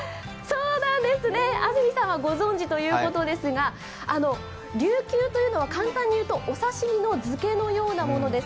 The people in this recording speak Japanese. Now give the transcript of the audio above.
安住さんはご存じということですが、りゅうきゅうというのは簡単に言うとお刺身の漬けのようなものです。